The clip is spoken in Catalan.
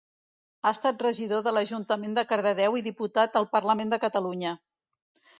Ha estat regidor de l'Ajuntament de Cardedeu i diputat al Parlament de Catalunya.